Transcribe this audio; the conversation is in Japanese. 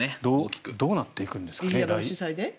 どうなっていくんですかね。